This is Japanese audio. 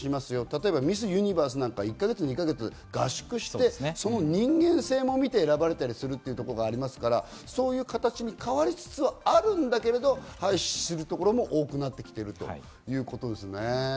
例えば、ミスユニバースなんか１か月、２か月合宿して、人間性も見て、選ばれたりすることがありますから、そういう形に変わりつつあるけれど、廃止するところも多くなってきているということですね。